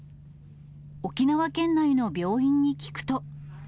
沖縄県内の病院に聞くと。